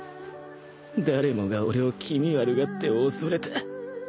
誰もが俺を気味悪がって恐れた